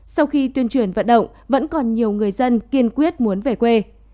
sau khi tuyên truyền vận động vẫn còn nhiều người dân kiên quyết muốn về quê